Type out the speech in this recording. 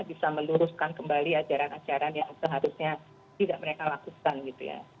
bisa meluruskan kembali ajaran ajaran yang seharusnya tidak mereka lakukan gitu ya